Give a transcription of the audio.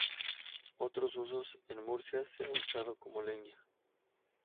Otros usos: En Murcia se ha usado como leña.